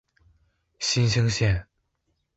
新兴线